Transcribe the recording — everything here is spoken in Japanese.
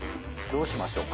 どうしましょう。